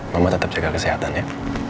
mama tetap jaga kesehatan ya